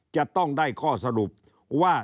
จะต้องได้ข้อสรุปว่า